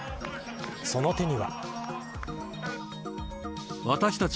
その手には。